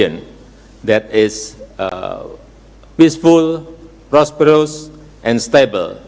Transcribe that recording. yang berkelanjutan berkembang dan stabil